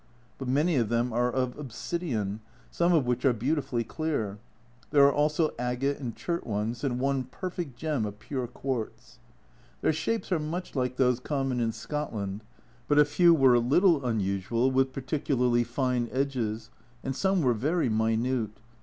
But many of them are of obsidian, some of which are beautifully clear. There are also agate and chert ones, and one perfect gem of pure quartz. Their shapes are much like those common in Scotland, but a few were a little unusual with particularly fine edges, and some were very minute.